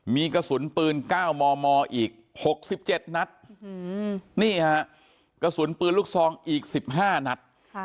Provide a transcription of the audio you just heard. มีกระสุนปืน๙มมอีก๖๗นัดนี่ฮะกระสุนปืนลูกซองอีก๑๕นัด